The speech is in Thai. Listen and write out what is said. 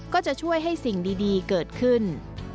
ก็จะช่วยให้สิ่งดีเกิดขึ้น